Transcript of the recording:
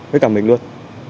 với cả mình luôn